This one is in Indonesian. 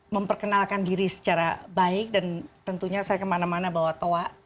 memperkenalkan diri secara baik dan tentunya saya kemana mana bawa toa